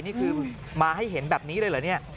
นี่คือมาให้เห็นแบบนี้เลยเหรอเนี่ย